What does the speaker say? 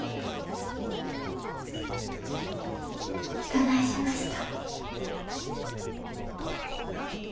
どないしました？